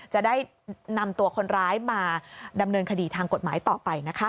จะได้นำตัวคนร้ายมาดำเนินคดีทางกฎหมายต่อไปนะคะ